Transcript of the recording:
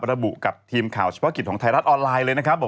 ระบุกับทีมข่าวเฉพาะกิจของไทยรัฐออนไลน์เลยนะครับ